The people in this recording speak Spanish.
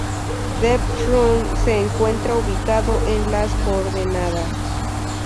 Deep Run se encuentra ubicado en las coordenadas